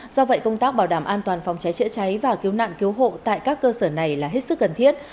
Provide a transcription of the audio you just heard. do vậy công tác bảo đảm an toàn phòng cháy chữa cháy và cứu nạn cứu hộ tại các cơ sở này là hết sức cần thiết